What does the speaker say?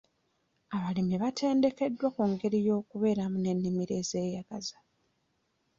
Abalimi batendekebwa ku ngeri y'okubeeramu n'ennimiro ezeyagaza.